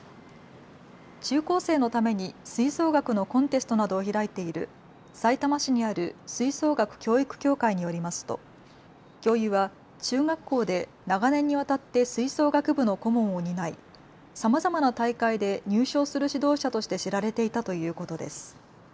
中高生のために吹奏楽のコンテストなどを開いているさいたま市にある吹奏楽教育協会によりますと教諭は中学校で長年にわたって吹奏楽部の顧問を担いさまざまな大会で入賞する指導者として知られていたということです。